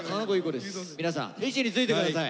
皆さん位置についてください。